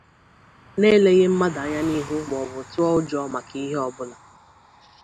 n'eleghị mmadụ anya n'ihu ma ọ bụ tụọ ụjọ maka ihe ọbụla.